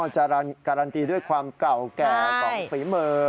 การันตีด้วยความเก่าแก่ของฝีมือ